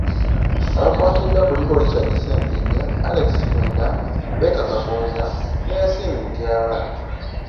Mu baakwatiddwa kuliko; Richard Ssempijja, Alex Kwenda, Baker Kakooza ne Yasin Mutyaba.